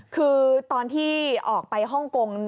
คือตอนที่ออกไปฮ่องกง